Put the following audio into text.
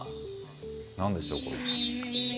なんでしょう、これ。